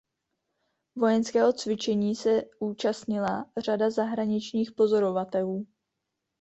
Vojenského cvičení se účastnila řada zahraničních pozorovatelů.